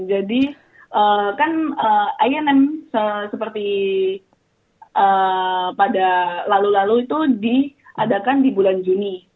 jadi kan a m seperti pada lalu lalu itu diadakan di bulan juni